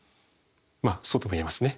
まあそうとも言えますね。